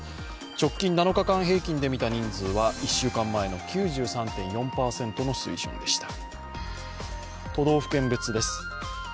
直近７日間平均でみた人数は１週間前の９３．４％の水準でした。